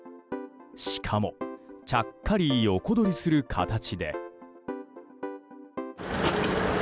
しかもちゃっかり横取りする形で。